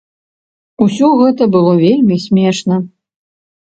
Усё гэта было вельмі смешна.